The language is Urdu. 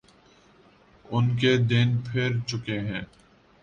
ان کے دن پھر چکے ہیں۔